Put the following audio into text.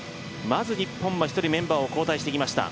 まず日本は１人メンバーを交代してきました。